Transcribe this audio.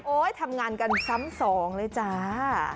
ทำงานกันซ้ำสองเลยจ้า